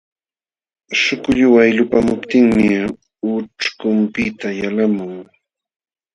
Śhukulluway lupamuptinmi ucćhkunpiqta yalqamun.